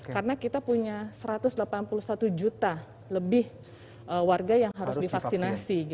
karena kita punya satu ratus delapan puluh satu juta lebih warga yang harus divaksinasi